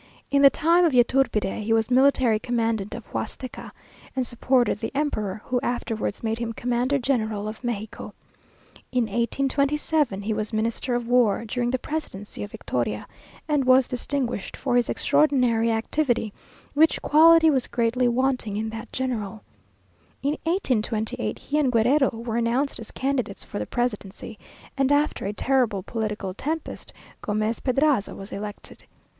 In the time of Yturbide he was military commandant of Huasteca, and supported the emperor, who afterwards made him commander general of Mexico. In 1827 he was Minister of war, during the presidency of Victoria, and was distinguished for his extraordinary activity, which quality was greatly wanting in that general. In 1828 he and Guerrero were announced as candidates for the presidency, and after a terrible political tempest, Gomez Pedraza was elected.